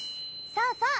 そうそう！